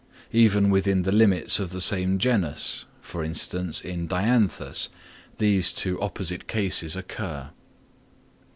Even within the limits of the same genus, for instance in Dianthus, these two opposite cases occur.